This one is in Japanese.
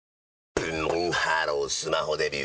ブンブンハロースマホデビュー！